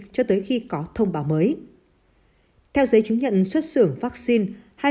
cho tới khi có thông báo mới theo giấy chứng nhận xuất xưởng vaccine